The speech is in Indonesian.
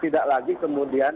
tidak lagi kemudian